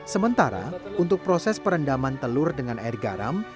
sementara untuk proses perendaman telur dengan air garam